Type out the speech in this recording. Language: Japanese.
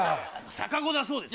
逆子だそうです。